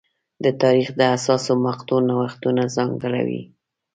د تاریخ د حساسو مقطعو نوښتونه ځانګړنه وې.